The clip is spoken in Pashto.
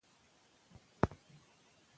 لوستې میندې د ماشومانو د خوب مخکې پاکوالی ساتي.